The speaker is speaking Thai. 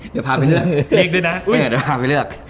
เดี๋ยวพาไปเลือก